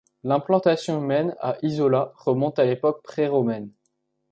L'implantation humaine à Isola remonte à l'époque pré-romaine.